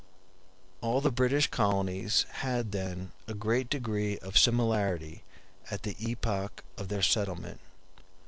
All the British colonies had then a great degree of similarity at the epoch of their settlement.